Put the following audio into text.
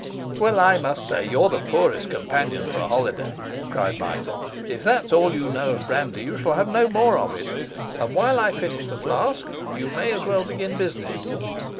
'Well, I must say you're the poorest companion for a holiday!' cried Michael. 'If that's all you know of brandy, you shall have no more of it; and while I finish the flask, you may as well begin business.